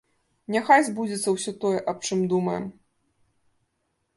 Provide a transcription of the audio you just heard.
Няхай збудзецца ўсё тое, аб чым думаем.